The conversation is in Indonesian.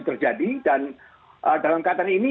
terjadi dan dalam kaitan ini